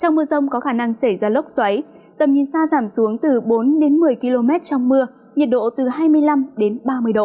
trong mưa rông có khả năng xảy ra lốc xoáy tầm nhìn xa giảm xuống từ bốn đến một mươi km trong mưa nhiệt độ từ hai mươi năm đến ba mươi độ